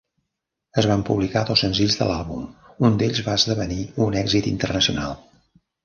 Es van publicar dos senzills de l'àlbum, un d'ells va esdevenir un èxit internacional.